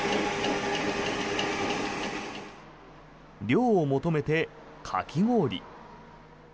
涼を求めて、かき氷。